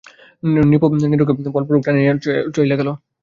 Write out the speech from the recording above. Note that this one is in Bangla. নৃপ নীরুকে বলপূর্বক টানিয়া লইয়া গেল।